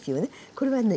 これはね